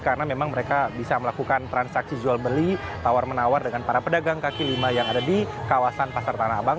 karena memang mereka bisa melakukan transaksi jual beli tawar menawar dengan para pedagang kaki lima yang ada di kawasan pasar tanah abang